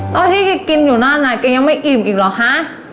ตอนที่แกกินอยู่นั่นน่ะแกยังไม่อิ่มอีกหรอคะ